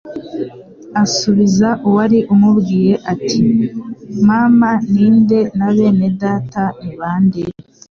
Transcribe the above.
asubiza uwari umubwiye ati : «Mama ni nde na bene data ni bande?